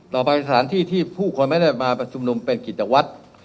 สถานที่ที่ผู้คนไม่ได้มาชุมนุมเป็นกิจวัตร